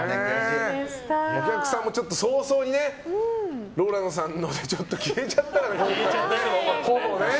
お客さんも早々にＲＯＬＡＮＤさんのほうで消えちゃったから、ほぼ。